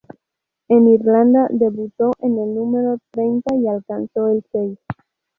En Irlanda, debutó en el número treinta y alcanzó el seis.